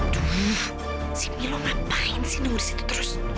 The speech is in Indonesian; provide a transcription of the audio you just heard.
tuh si milo ngapain sih nunggu di situ terus